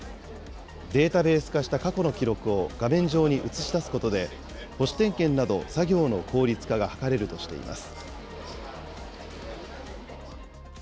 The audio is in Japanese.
データベース化した過去の記録を画面上に映し出すことで、保守点検など、作業の効率化が図れるとしています。